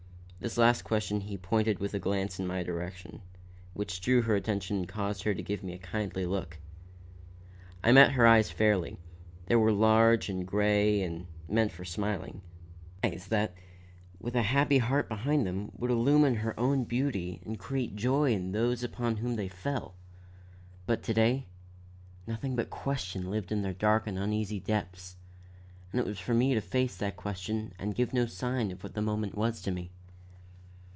This last question he pointed with a glance in my direction, which drew her attention and caused her to give me a kindly look. I met her eyes fairly. They were large and gray and meant for smiling; eyes that, with a happy heart behind them, would illumine her own beauty and create joy in those upon whom they fell. But to day, nothing but question lived in their dark and uneasy depths, and it was for me to face that question and give no sign of what the moment was to me.